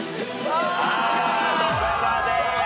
そこまで。